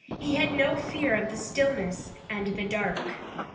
He had no fear of the stillness and the dark.